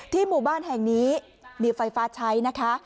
หมู่บ้านแห่งนี้มีไฟฟ้าใช้นะคะ